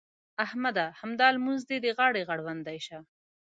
احمده! همدا لمونځ دې د غاړې غړوندی شه.